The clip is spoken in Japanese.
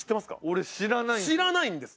俺知らないんです。